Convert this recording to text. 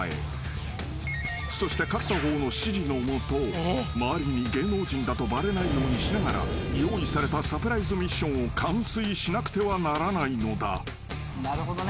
［そして勝った方の指示の下周りに芸能人だとバレないようにしながら用意されたサプライズミッションを完遂しなくてはならないのだ］